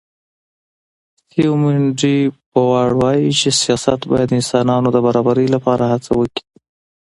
سیمون ډي بووار وایي چې سیاست باید د انسانانو د برابرۍ لپاره هڅه وکړي.